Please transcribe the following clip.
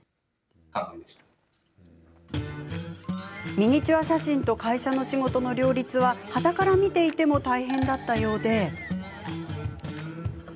ミニチュア写真と会社の仕事の両立ははたから見ていても大変だったようで。